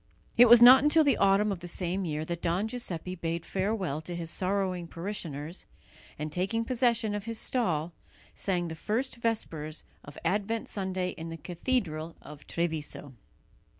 It was not until the autumn of the same year that Don Giuseppe bade farewell to his sorrowing parishioners, and, taking possession of his stall, sang the first vespers of Advent Sunday in the cathedral of Treviso.